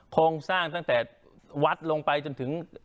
โครงสร้างตั้งแต่วัดลงไปจนถึง